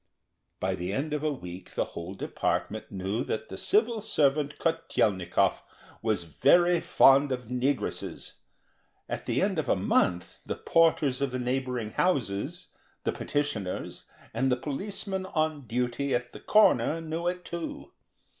At the end of a week the whole Department knew that the civil servant, Kotel'nikov, was very fond of negresses. By the end of a month the porters of the neighbouring houses, the petitioners, and the policeman on duty at the corner, knew it too.